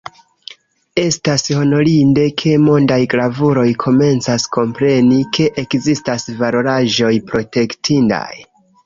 Estas honorinde, ke mondaj gravuloj komencas kompreni, ke ekzistas valoraĵoj protektindaj.